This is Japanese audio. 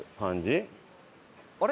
あれ？